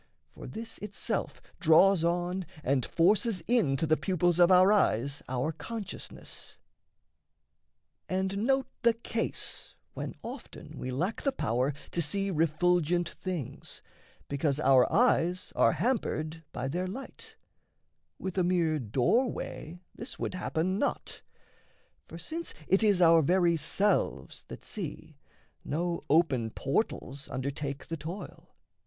For this itself draws on And forces into the pupils of our eyes Our consciousness. And note the case when often We lack the power to see refulgent things, Because our eyes are hampered by their light With a mere doorway this would happen not; For, since it is our very selves that see, No open portals undertake the toil.